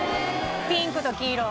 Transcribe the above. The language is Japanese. ピンクと黄色。